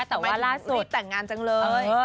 ไม่ถึงรีบแต่งงานจังเลย